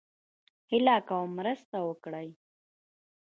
هيله کوم مرسته وکړئ